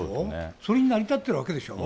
それで成り立ってるわけでしょ。